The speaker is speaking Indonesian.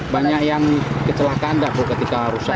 banyak yang kecelakaan dapur ketika rusak